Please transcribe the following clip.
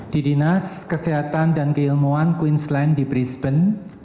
di dinas kesehatan dan keilmuan queensland di brisben